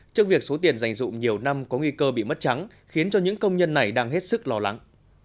trước việc số tiền dành dụng nhiều năm có nguy cơ bị mất trắng khiến cho những công nhân này đang hết sức lo lắng